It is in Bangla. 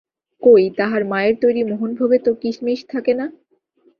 কই তাহার মায়ের তৈরি মোহনভোগে তো কিসমিস থাকে না?